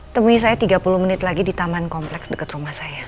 temui saya tiga puluh menit lagi di taman kompleks dekat rumah saya